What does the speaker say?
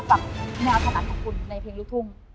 แบบแงวครรภ์ธนัดของคุณในเพลงลุกทุ่ง